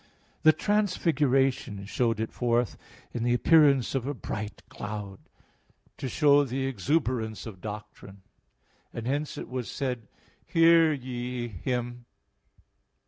The Transfiguration showed it forth in the appearance of a bright cloud, to show the exuberance of doctrine; and hence it was said, "Hear ye Him" (Matt.